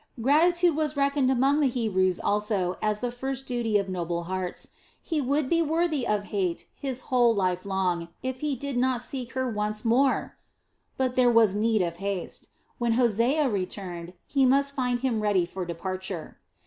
Gratitude was reckoned among the Hebrews also as the first duty of noble hearts. He would be worthy of hate his whole life long, if he did not seek her once more! But there was need of haste. When Hosea returned, he must find him ready for departure.